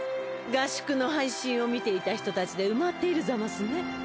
合宿の配信を見ていた人たちで埋まっているざますね。